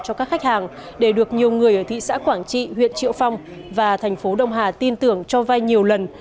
cho các khách hàng để được nhiều người ở thị xã quảng trị huyện triệu phong và thành phố đông hà tin tưởng cho vay nhiều lần